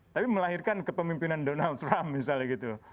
tapi melahirkan kepemimpinan donald trump misalnya gitu